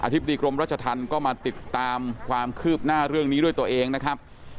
ธิบดีกรมรัชธรรมก็มาติดตามความคืบหน้าเรื่องนี้ด้วยตัวเองนะครับ